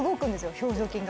表情筋が。